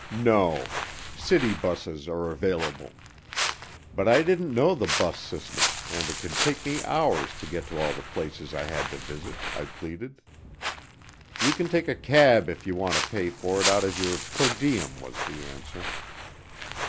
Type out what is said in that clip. No city buses are available. But I didn't know the bus system and it would take me hours to get to all the places I had to visit, I pleaded. You can take a cab if you want to pay for it out of your per diem was the answer.